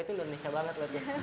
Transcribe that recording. itu indonesia banget